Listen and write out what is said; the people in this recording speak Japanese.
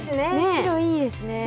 白いいですね。